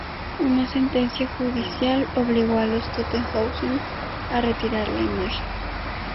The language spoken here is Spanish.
Una sentencia judicial obligó a los Toten Hosen a retirar la imagen.